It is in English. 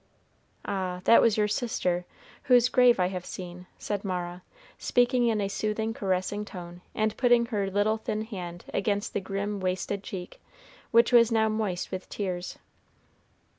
"Ah! that was your sister, whose grave I have seen," said Mara, speaking in a soothing, caressing tone, and putting her little thin hand against the grim, wasted cheek, which was now moist with tears.